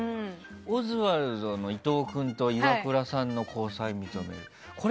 オズワルドの伊藤君とイワクラさんの交際、認める。